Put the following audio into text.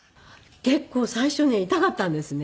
結構最初ね痛かったんですね